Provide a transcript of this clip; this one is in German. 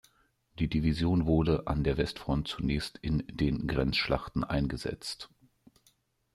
Die Division wurde an der Westfront zunächst in den Grenzschlachten eingesetzt.